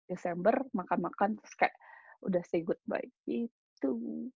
desember makan makan terus kayak udah say goodbye gitu